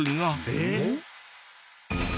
えっ？